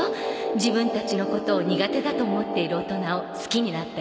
自分たちのことを苦手だと思っている大人を好きになったりしないわ。